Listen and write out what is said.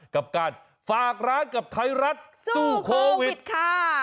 กับการฝากร้านกับไทยรัฐสู้โควิดค่ะ